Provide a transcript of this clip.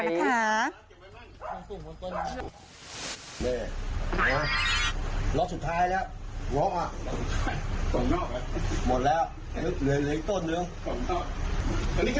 อันนี้ก็ได้เงาะอะไรพี่